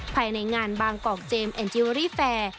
ภายในงานบางกอกเจมสแอนจิเวอรี่แฟร์